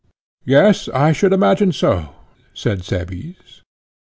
Yes; I should imagine so, said Cebes.